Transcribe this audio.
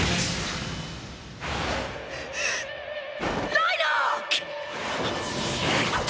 ライナー！！